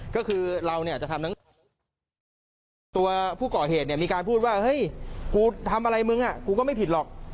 ก็คือเราเนี่ยจะทำทั้งตัวผู้ก่อเหตุเนี่ยมีการพูดว่าเฮ้ยกูทำอะไรมึงกูก็ไม่ผิดหรอก